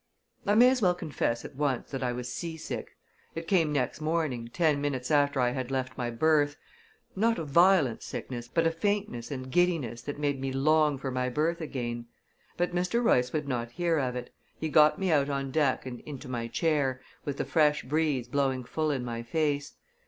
I may as well confess at once that I was seasick. It came next morning, ten minutes after I had left my berth not a violent sickness, but a faintness and giddiness that made me long for my berth again. But Mr. Royce would not hear of it. He got me out on deck and into my chair, with the fresh breeze blowing full in my face.